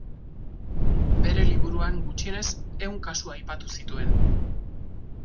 Bere liburuan gutxienez ehun kasu aipatu zituen.